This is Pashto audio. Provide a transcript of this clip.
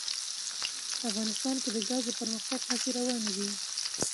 افغانستان کې د ګاز د پرمختګ هڅې روانې دي.